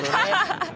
ハハハ！